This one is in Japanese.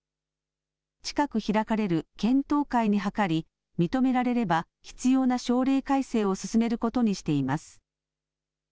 近く開かれる検討会に諮り認められれば必要な省令改正を進めることにしています。